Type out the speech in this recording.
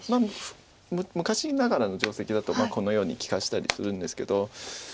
昔ながらの定石だとこのように利かしたりするんですけど。